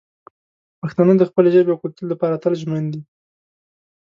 پښتانه د خپلې ژبې او کلتور لپاره تل ژمن دي.